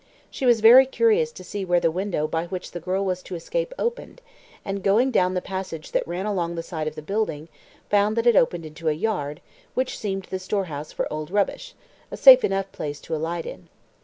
She was very curious to see where the window by which the girl was to escape opened, and, going down the passage that ran along the side of the building, found that it opened into a yard, which seemed the storehouse for old rubbish a safe enough place to alight in.